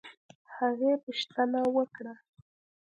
هغې پوښتنه وکړه